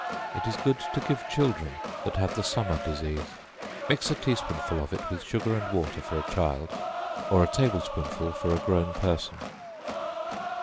It is good to give children that have the summer disease; mix a tea spoonful of it with sugar and water for a child, or a table spoonful for a grown person.